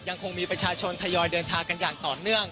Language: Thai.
ยังคงมีประชาชนทยอยเดินทางกันอย่างต่อเนื่อง